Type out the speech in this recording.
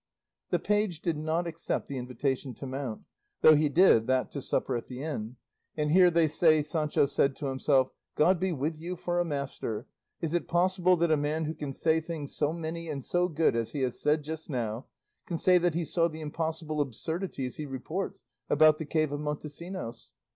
The page did not accept the invitation to mount, though he did that to supper at the inn; and here they say Sancho said to himself, "God be with you for a master; is it possible that a man who can say things so many and so good as he has said just now, can say that he saw the impossible absurdities he reports about the cave of Montesinos?